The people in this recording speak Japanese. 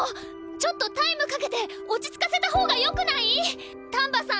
ちょっとタイムかけて落ち着かせた方がよくない⁉丹波さん